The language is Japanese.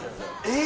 え？